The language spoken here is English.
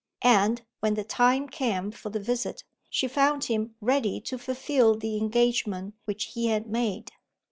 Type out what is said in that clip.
And, when the time came for the visit, she found him ready to fulfill the engagement which he had made.